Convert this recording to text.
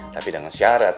tapi dengan syarat